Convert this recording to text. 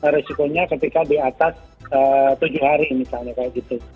risikonya ketika di atas tujuh hari misalnya kayak gitu